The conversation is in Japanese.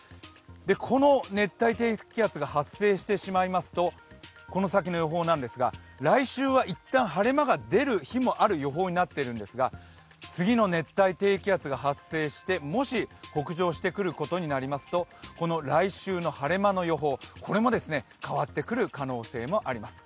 この熱帯低気圧が発生してしまいますとこの先の予報なんですが、来週は一旦晴れ間が出る予報になっているんですが、次の熱帯低気圧が発生してもし北上してくることになりますと来週の晴れ間の予報も変わってくる可能性もあります。